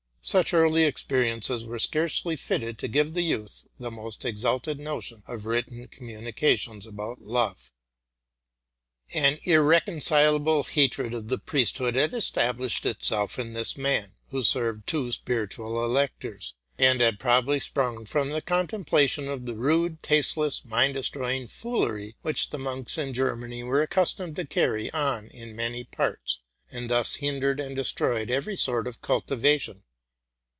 Such early experiences were scarcely fitted to give the youth the most exalted notion of written communications about love. An irreconcilable hatred of the priesthood had established itself in this man, who served two spiritual electors, and had probably sprung from the contemplation of the rude, taste less, mind destroying foolery which the monks in Germany were accustomed to carry on in many parts, and thus hin dered and destroyed every sort of cultivation.